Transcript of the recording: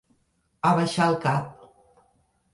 Abaixar el cap.